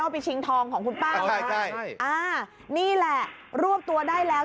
เอาไปชิงทองของคุณป้านะใช่ไหมคะนี่แหละร่วมตัวได้แล้ว